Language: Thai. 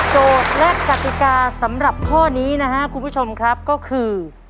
และกติกาสำหรับข้อนี้นะครับคุณผู้ชมครับก็คือ